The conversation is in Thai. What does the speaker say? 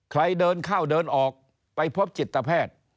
ใครเดินเข้าเดินออกไปพบจิตแพทย์